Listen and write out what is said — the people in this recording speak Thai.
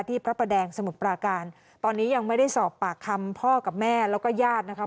พระประแดงสมุทรปราการตอนนี้ยังไม่ได้สอบปากคำพ่อกับแม่แล้วก็ญาตินะคะ